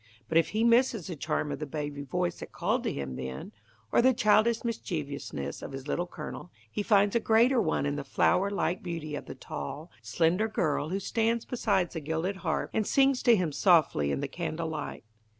But if he misses the charm of the baby voice that called to him then, or the childish mischievousness of his Little Colonel, he finds a greater one in the flower like beauty of the tall, slender girl who stands beside the gilded harp, and sings to him softly in the candle light.